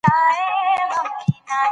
څېړونکی یو روڼ اندئ شخصیت دئ چي بصیرت لري.